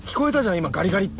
今「ガリガリ」って。